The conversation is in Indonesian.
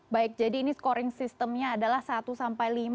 baik jadi ini scoring systemnya adalah satu sampai lima